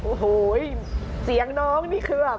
โอ้โหเสียงน้องนี่คือแบบ